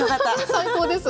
最高です。